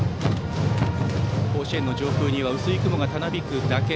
甲子園の上空には薄い雲がたなびくだけ。